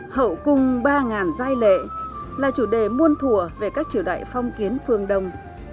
hậu cung ba giai lệ là chủ đề muôn thùa về các triều đại phong kiến phương đông